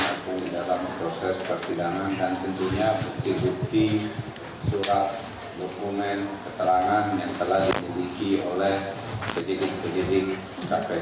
maupun di dalam proses persidangan dan tentunya bukti bukti surat dokumen keterangan yang telah dikendiki oleh sejidik sejidik kpk